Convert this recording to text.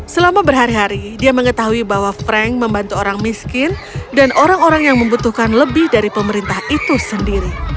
selama berhari hari dia mengetahui bahwa frank membantu orang miskin dan orang orang yang membutuhkan lebih dari pemerintah itu sendiri